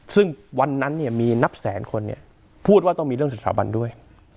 ซึ่งวันนั้นมีนับแสนคนพูดว่าต้องมีเรื่องสถาบันด้วย